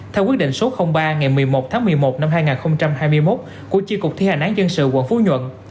theo quyết định số ba ngày một mươi một tháng một mươi một năm hai nghìn hai mươi một của chi cục thi hành án dân sự quận phú nhuận